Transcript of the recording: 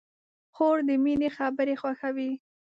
خور د مینې خبرې خوښوي.